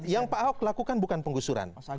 yang pak ahok lakukan bukan penggusuran